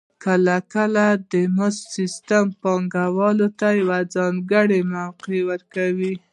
کله کله د مزد سیستم پانګوال ته یوه ځانګړې موقع ورکوي